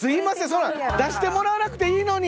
そんな出してもらわなくていいのに！